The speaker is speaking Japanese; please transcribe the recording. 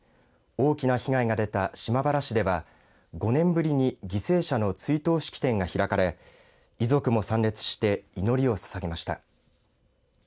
大きな被害が出た、島原市では５年ぶりに犠牲者の追悼式典が開かれ遺族も参列して祈りをささげました。